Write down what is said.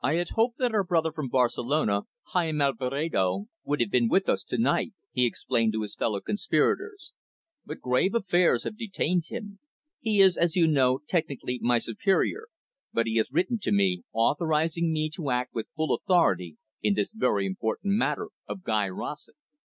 "I had hoped that our brother from Barcelona, Jaime Alvedero, would have been with us to night," he explained to his fellow conspirators. "But grave affairs have detained him. He is, as you know, technically my superior, but he has written to me, authorising me to act with full authority in this very important matter of Guy Rossett.